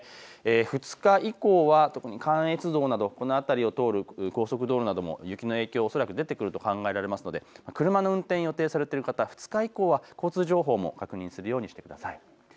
２日以降は特に関越道などこの辺りを通る高速道路なども雪の影響おそらく出てくると考えられますので、車の運転、予定されてる方、２日以降は交通情報も確認するようにしてください。